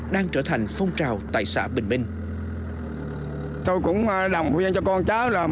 đang trở thành phong trào tại xã bình minh